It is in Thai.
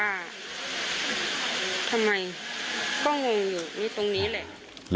ว่าทำไมก็งงอยู่นี่ตรงนี้แหละ